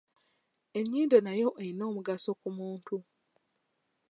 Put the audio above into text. Ennyindo nayo erina omugaso ku muntu.